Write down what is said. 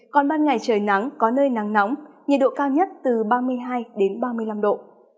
còn ban ngày trời nắng có nơi nắng nóng nhiệt độ cao nhất từ ba mươi hai ba mươi năm độ